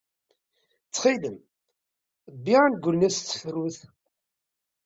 Ttxil-m, bbi angul-nni s tefrut.